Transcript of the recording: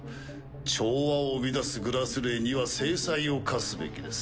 調和を乱す「グラスレー」には制裁を科すべきです。